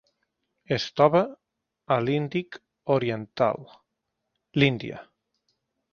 Es troba a l'Índic oriental: l'Índia.